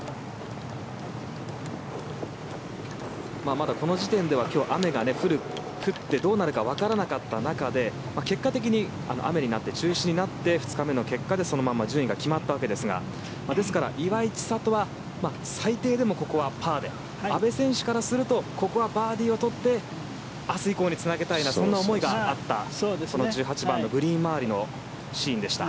まだこの時点では雨が降ってどうなるかわからなかった中で結果的に雨になって中止になって２日目の結果でそのまま順位が決まったわけですがですから岩井千怜は最低でもここはパーで阿部選手からするとここはバーディーを取って明日以降につなげたいそんな思いがあったこの１８番グリーン周りのシーンでした。